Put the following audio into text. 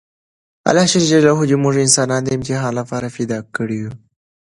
الله ج موږ انسانان د امتحان لپاره پیدا کړي یوو!